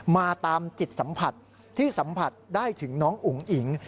มาตามจิตสัมผัสที่สัมผัสได้ถึงน้องอุ๋งอิ๋ง